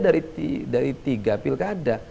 dari tiga pilkada